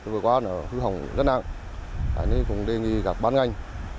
vừa qua nó hư hỏng rất nặng nên cũng đề nghị các bán ngành